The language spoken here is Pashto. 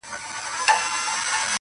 • وراوي به راسي د توتکیو -